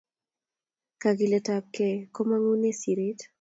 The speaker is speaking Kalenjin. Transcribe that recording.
Kakilet tab gei komangune siret